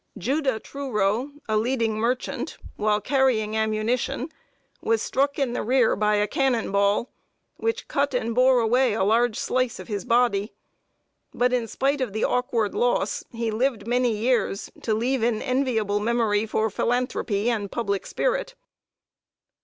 Judah Trouro, a leading merchant, while carrying ammunition, was struck in the rear by a cannon ball, which cut and bore away a large slice of his body; but, in spite of the awkward loss, he lived many years, to leave an enviable memory for philanthropy and public spirit.